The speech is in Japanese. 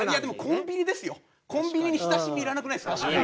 コンビニに親しみいらなくないですか？